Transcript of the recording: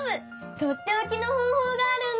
とっておきのほうほうがあるんだ。